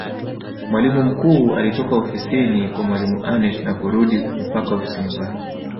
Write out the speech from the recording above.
Mwalimu mkuu alitoka ofisini kwa mwalimu Aneth na kurudi mpaka ofisini kwake